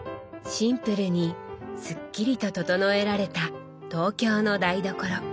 シンプルにすっきりと整えられた東京の台所。